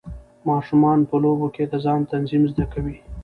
ماشومان په لوبو کې د ځان تنظیم زده کوي.